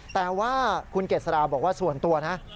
แต่ว่าคุณเกษราบอกว่าส่วนตัวนะ